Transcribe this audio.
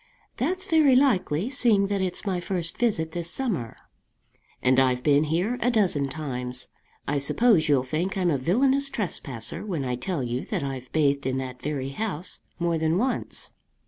"That's very likely, seeing that it's my first visit this summer." "And I've been here a dozen times. I suppose you'll think I'm a villanous trespasser when I tell you that I've bathed in that very house more than once."